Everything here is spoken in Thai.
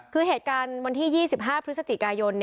คือเหตุการณ์วันที่๒๕พฤศจิกายน